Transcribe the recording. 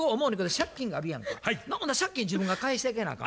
借金自分が返していかなあかん。